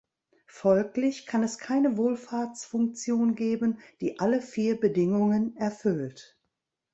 Folglich kann es keine Wohlfahrtsfunktion geben, die alle vier Bedingungen erfüllt.